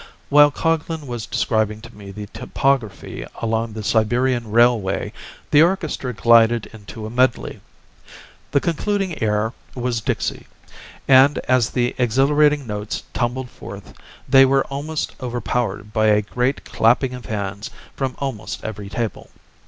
While Coglan was describing to me the topography along the Siberian Railway the orchestra glided into a medley. The concluding air was "Dixie," and as the exhilarating notes tumbled forth they were almost overpowered by a great clapping of hands from almost every table.